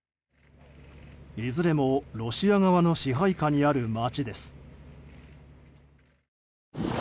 いずれもロシア側の支配下にある街です。